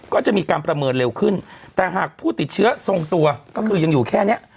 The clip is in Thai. ก็จะมีการประเมินเร็วขึ้นแต่หากผู้ติดเชื้อทรงตัวก็คือยังอยู่แค่เนี้ย